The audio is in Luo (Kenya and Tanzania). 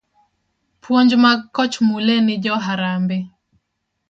puonj mag koch Mulee ni jo Harambee.